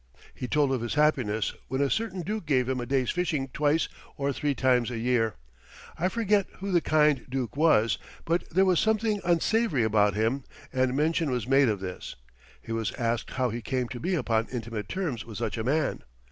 He told of his happiness when a certain duke gave him a day's fishing twice or three times a year. I forget who the kind duke was, but there was something unsavory about him and mention was made of this. He was asked how he came to be upon intimate terms with such a man.